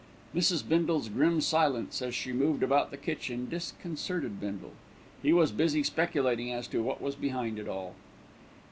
Mrs. Bindle's grim silence as she moved about the kitchen disconcerted Bindle. He was busy speculating as to what was behind it all.